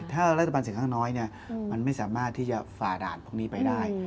ถ้ารัฐบาลเสียงข้างน้อยมันไม่สามารถที่จะฝ่าด่านพวกนี้ไปได้